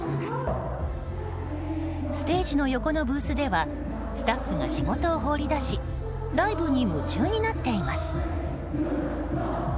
ステージの横のブースではスタッフが仕事を放り出しライブに夢中になっています。